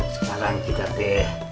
sekarang kita teh